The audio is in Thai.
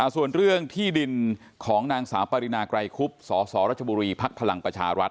ส่วนเรื่องที่ดินของนางสาวปรินาไกรคุบสสรัชบุรีภักดิ์พลังประชารัฐ